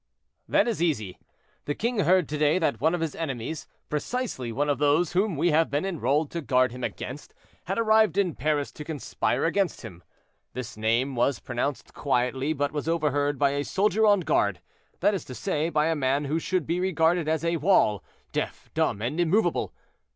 "That is easy. The king heard to day that one of his enemies—precisely one of those whom we have been enrolled to guard him against—had arrived in Paris to conspire against him. This name was pronounced quietly, but was overheard by a soldier on guard, that is to say, by a man who should be regarded as a wall—deaf, dumb, and immovable.